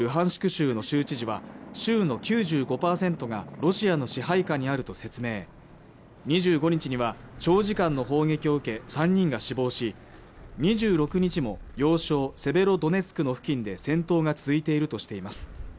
州の州知事は州の９５％がロシアの支配下にあると説明２５日には長時間の砲撃を受け３人が死亡し２６日も要衝セベロドネツクの付近で戦闘が続いているとしています